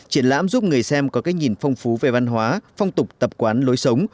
triển lãm giúp người xem có cách nhìn phong phú về văn hóa phong tục tập quán lối sống